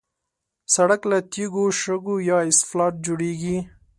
سړک له تیږو، شګو یا اسفالت جوړېږي.